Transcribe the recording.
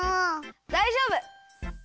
だいじょうぶ！